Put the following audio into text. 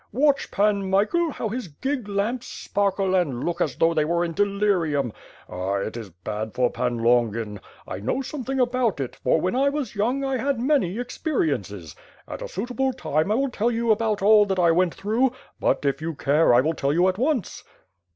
"Watch, Pan Michael, how his gig lamps sparkle and look as though they were in delirium. Ah, it is bad for Pan Longin. I know something about it, for when I was younf^ I had many experiences. At a suitable time, I will tell you about all that I went through; but, if you care, I will tell you at once."